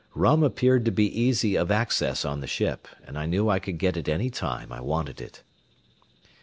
Rum appeared to be easy of access on the ship, and I knew I could get it any time I wanted it.